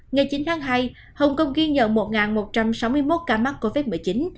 ngày chín tháng hai hồng kông ghi nhận một một trăm sáu mươi một ca mắc covid một mươi chín